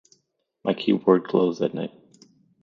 My keyboard glows at night.